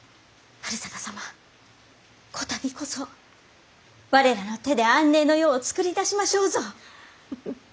治済様こたびこそ我らの手で安寧の世をつくり出しましょうぞ！